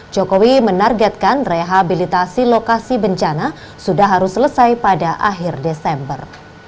jokowi menargetkan rehabilitasi lokasi bencana sudah harus selesai pada akhir desember